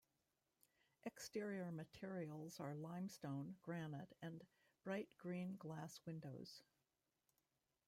Exterior materials are limestone, granite, and bright green glass windows.